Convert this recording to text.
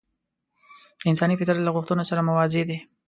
د انساني فطرت له غوښتنو سره موازي دي.